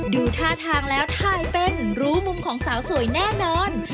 ดูท่าทางแล้วถ่ายเป็นรู้มุมของสาวสวยแน่นอน